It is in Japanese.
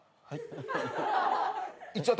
はい？